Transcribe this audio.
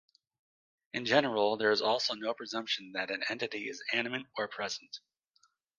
In general, there is also no presumption that an entity is animate, or present.